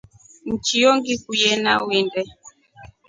Njio nikuye nawinde.